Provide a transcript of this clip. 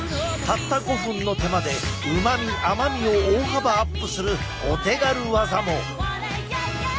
たった５分の手間でうまみ甘みを大幅アップするお手軽ワザも！